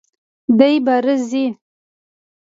دی باره ځي!